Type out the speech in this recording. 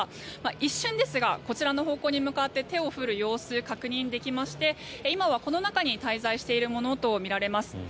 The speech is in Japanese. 一瞬ですが、こちらの方向に手を振る様子が確認できまして今はこの中に滞在しているものとみられます。